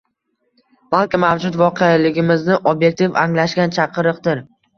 balki mavjud voqeligimizni ob’ektiv anglashga chaqiriqdir.